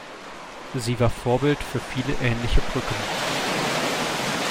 Sie war Vorbild für viele ähnliche Brücken.